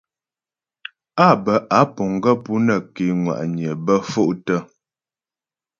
Á bə́ á puŋ gaə́ pú nə́ ké ŋwa'nyə bə́ fôktə.